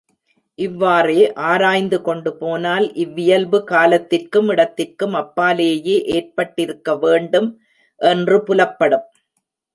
இவ்வாறே ஆராய்ந்துகொண்டு போனால், இவ்வியல்பு காலத்திற்கும் இடத்திற்கும் அப்பாலேயே ஏற்பட்டிருக்க வேண்டும் என்று புலப் படும்.